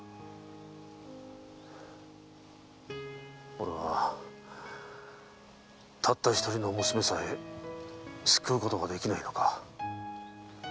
俺はたった一人の娘さえ救うことができないのか。